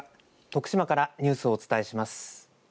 徳島からニュースをお伝えします。